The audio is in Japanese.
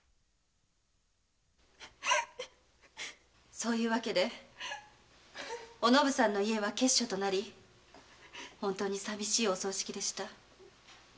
そういう訳でおのぶさんの家は闕所となり本当に寂しいお葬式でした。